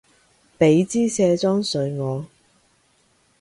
畀枝卸妝水我